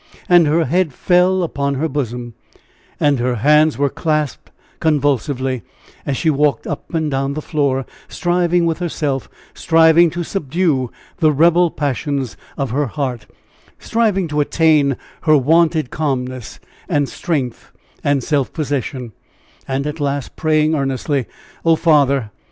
And her head fell upon her bosom, and her hands were clasped convulsively, as she walked up and down the floor striving with herself striving to subdue the rebel passions of her heart striving to attain her wonted calmness, and strength, and self possession, and at last praying earnestly: "Oh, Father!